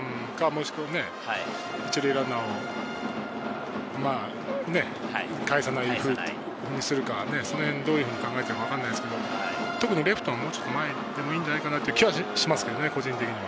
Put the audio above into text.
１塁ランナーをかえさないようにするか、そのへん、どういうふうに考えているか分かんないですけど、特にレフトが前でもいいんじゃないかという気がしますけどね、個人的に。